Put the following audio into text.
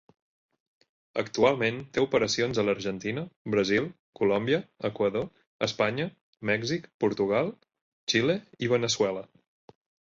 Actualment té operacions a l'Argentina, Brasil, Colòmbia, Equador, Espanya, Mèxic, Portugal, Xile i Veneçuela.